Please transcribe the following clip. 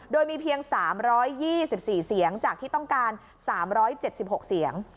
โดยมีเพียง๓๒๔เสียงจากที่ต้องการ๓๗๖เสียง